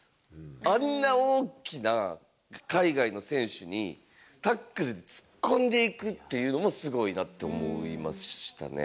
あんな大きな海外の選手に、タックルで突っ込んでいくっていうのも、すごいなと思いましたね。